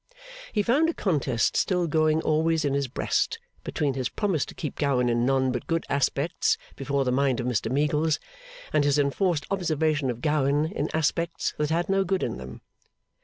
He found a contest still always going on in his breast between his promise to keep Gowan in none but good aspects before the mind of Mr Meagles, and his enforced observation of Gowan in aspects that had no good in them.